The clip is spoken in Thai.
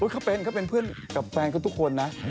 เขาเป็นเขาเป็นเพื่อนกับแฟนเขาทุกคนนะ